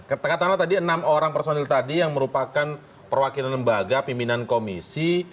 karena tadi enam orang personil tadi yang merupakan perwakilan lembaga pimpinan komisi